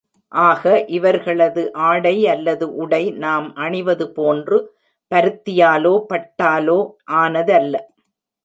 ஆக, இவர்களது ஆடை அல்லது உடை நாம் அணிவது போன்று பருத்தியாலோ பட்டாலோ ஆனதல்ல.